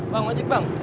bang wajib bang